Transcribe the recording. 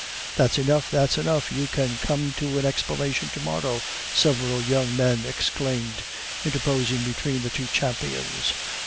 "That's enough, that's enough. You can come to an explanation to morrow," several young men exclaimed, interposing between the two champions.